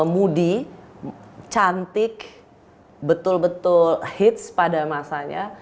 moody cantik betul betul hits pada masanya